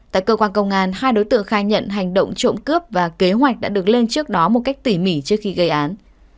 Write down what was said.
tại cơ quan công an hai đối tượng khai nhận hành động trộm cướp và kế hoạch đã được lên trước đó một cách tỉ mỉ trước khi gây án